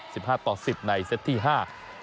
สิบห้าต่อสิบในเซตที่ห้า